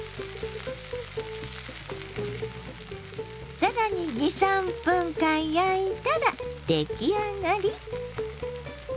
更に２３分間焼いたら出来上がり！